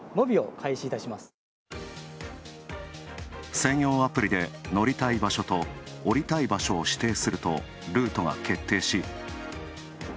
専用アプリで乗りたい場所と降りたい場所を指定するとルートが決定し。